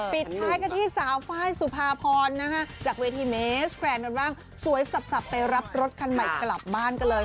ปิดท้ายกันที่สาวไฟล์สุภาพรนะคะจากเวทีเมสแกรนกันบ้างสวยสับไปรับรถคันใหม่กลับบ้านกันเลย